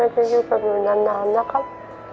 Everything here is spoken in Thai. ขอบคุณครับนะครับ